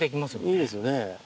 いいですよね。